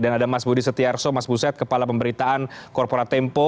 dan ada mas budi setiarso mas buset kepala pemberitaan korporat tempo